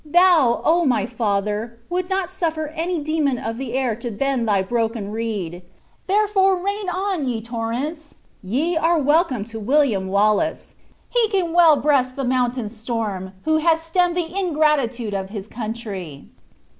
Thou, oh, my Father! would not suffer any demon of the air to bend thy broken reed! Therefore rain on, ye torrents; ye are welcome to William Wallace. He can well breast the mountain's storm, who has stemmed the ingratitude of his country."